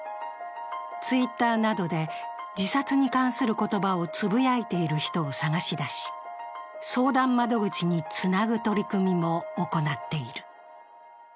Ｔｗｉｔｔｅｒなどで自殺に関する言葉をつぶやいている人を探し出し相談窓口につなぐ取り組みも行っている。